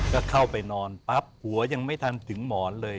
ก็เข้าไปนอนปั๊บหัวยังไม่ทันถึงหมอนเลย